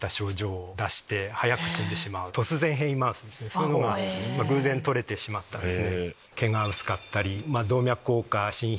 そういうのが偶然とれてしまったんですね。